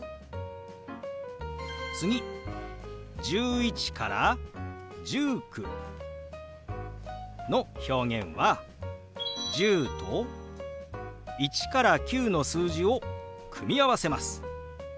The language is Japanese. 次１１から１９の表現は「１０」と１から９の数字を組み合わせます。